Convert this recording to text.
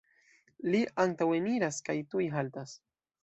Li antaŭeniras kaj tuj haltas.